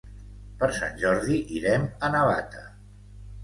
Per Sant Jordi irem a Navata.